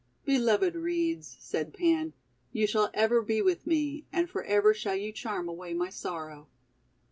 'Beloved Reeds," said Pan, "you shall ever be with me, and for ever shall you charm away my sorrow."